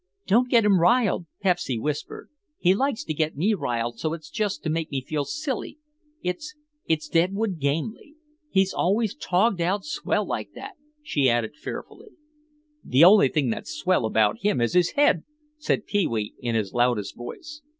"Don't get him riled," Pepsy whispered. "He likes to get me riled so's just to make me feel silly; it's—it's Deadwood Gamely. He's always togged out swell like that," she added fearfully. "The only thing that's swell about him is his head," said Pee wee in his loudest voice.